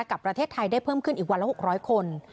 กับประเทศไทยได้เพิ่มขึ้นอีกวันละ๖๐๐คน